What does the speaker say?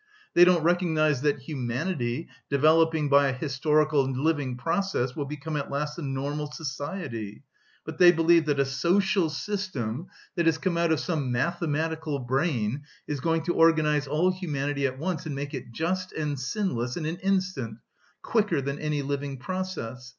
They don't recognise that humanity, developing by a historical living process, will become at last a normal society, but they believe that a social system that has come out of some mathematical brain is going to organise all humanity at once and make it just and sinless in an instant, quicker than any living process!